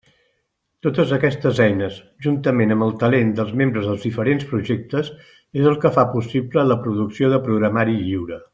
Totes aquestes eines, juntament amb el talent dels membres dels diferents projectes, és el que fa possible la producció de programari lliure.